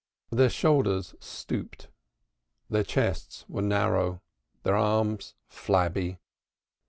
Their shoulders stooped, their chests were narrow, their arms flabby.